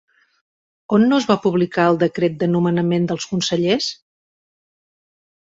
On no es va publicar el decret de nomenament dels consellers?